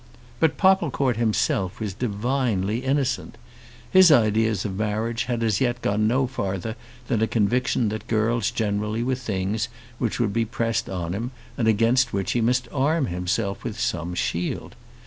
But Popplecourt himself was divinely innocent. His ideas of marriage had as yet gone no farther than a conviction that girls generally were things which would be pressed on him, and against which he must arm himself with some shield.